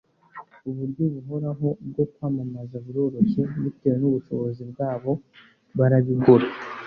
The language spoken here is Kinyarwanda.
uburyo buhoraho bwo kamamaza buroroshye. bitewe n ubushobozi bwabo barabigura